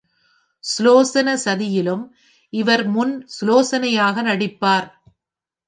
சுலோசன சதியிலும் இவர் முன் சுலோசனையாக நடிப்பார்.